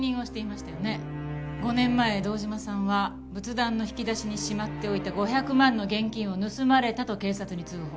５年前堂島さんは仏壇の引き出しにしまっておいた５００万の現金を盗まれたと警察に通報。